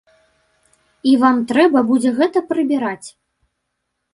І вам трэба будзе гэта прыбіраць.